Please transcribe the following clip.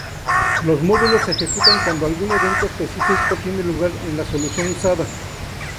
Los módulos se ejecutan cuando algún evento específico tiene lugar en la solución usada.